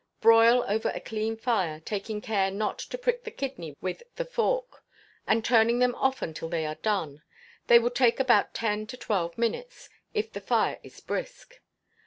Broil over a clear fire, taking care not to prick the kidney with the fork, and turning them often till they are done; they will take about ten or twelve minutes, if the fire is brisk.